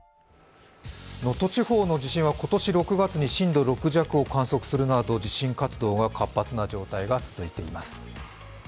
能登地方の地震は今年６月に震度６弱を観測するなど、地震活動が活発な状態が続いています。